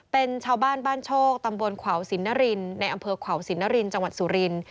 เป็นชาวบ้านบ้านโชคตำบลขวาวสินนรินในอำเภอขวาวสินนรินจังหวัดสุรินท